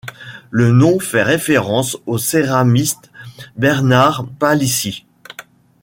Le nom fait référence au céramiste Bernard Palissy.